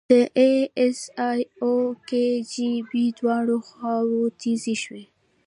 د ای اس ای او کي جی بي دواړه خواوې تیزې شوې.